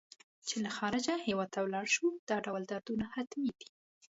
چې له خارجه هېواد ته ولاړ شو دا ډول دردونه حتمي دي.